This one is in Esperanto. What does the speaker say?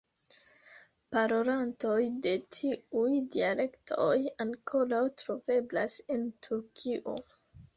Parolantoj de tiuj dialektoj ankoraŭ troveblas en Turkio.